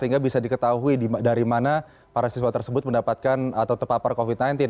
sehingga bisa diketahui dari mana para siswa tersebut mendapatkan atau terpapar covid sembilan belas